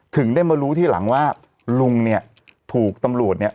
ถึงได้มารู้ทีหลังว่าลุงเนี่ยถูกตำรวจเนี่ย